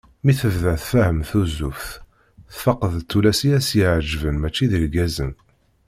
Mi tebda tfehhem tuzzuft, tfaq d tullas i as-yetteεjaben mačči d irgazen.